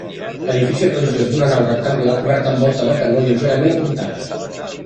Edifici religiós d'una nau rectangular, coberta amb volta de canó lleugerament apuntada.